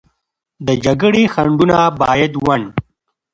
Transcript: د جګړې خنډونه باید ونډ